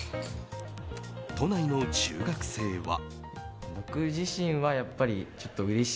都内の中学生は。